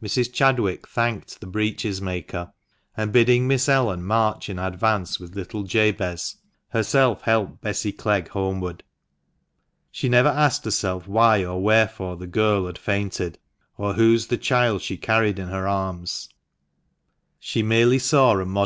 Mrs. Chadwick thanked the breeches maker, and bidding Miss Ellen march in advance with little Jabez, herself helped Bessy Clegg home ward. She never asked herself why or wherefore the girl had fainted, or whose the child she carried in her arms. She merely saw a * See Appendix.